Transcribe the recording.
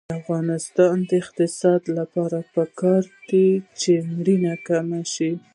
د افغانستان د اقتصادي پرمختګ لپاره پکار ده چې مړینه کمه شي.